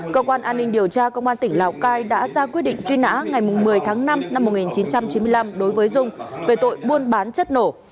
cơ quan an ninh điều tra công an tỉnh lào cai đã ra quyết định truy nã ngày một mươi tháng năm năm một nghìn chín trăm chín mươi năm đối với dung về tội buôn bán chất nổ